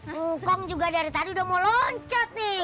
tuh kong juga dari tadi udah mau loncat nih